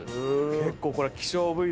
結構これ希少部位。